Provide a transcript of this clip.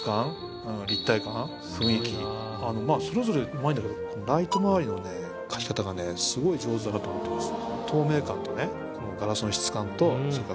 まあそれぞれ上手いんだけどライト周りのね描き方がねすごい上手だなと思ってます。